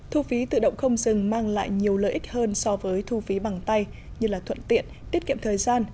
thu phí tự động không dừng mang lại nhiều lợi ích hơn so với thu phí bằng tay như thuận tiện tiết kiệm thời gian